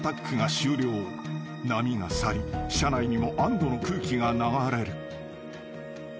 ［波が去り車内にも安堵の空気が流れる］